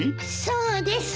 そうです。